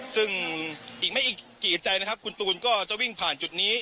ซึ่งอีกไม่อีกกี่ใจนะครับคุณตูนก็จะวิ่งผ่านจุดนี้